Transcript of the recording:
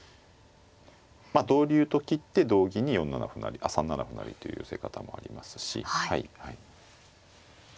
まあ同竜と切って同銀に３七歩成という寄せ方もありますし。